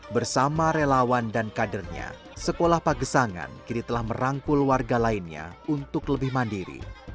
bersama relawan dan kadernya sekolah pagesangan kini telah merangkul warga lainnya untuk lebih mandiri